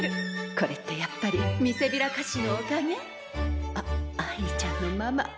これってやっぱりみせびら菓子のおかげ？あっ愛梨ちゃんのママ。